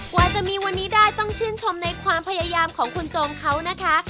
กว่าจะมีวันนี้ได้ต้องชื่นชมในความพยายามของคุณโจมเขานะคะ